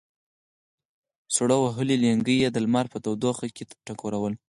سړو وهلي لېنګي یې د لمر په تودوخه کې ټکورول.